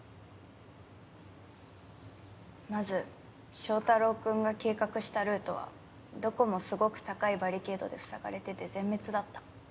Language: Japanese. まず正太郎君が計画したルートはどこもすごく高いバリケードで塞がれてて全滅だった。